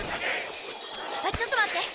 ちょっと待って。